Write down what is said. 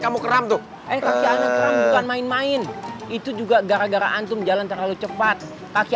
kamu keram tuh eh kaki anak keram bukan main main itu juga gara gara antum jalan terlalu cepat kaki